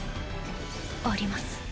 あります。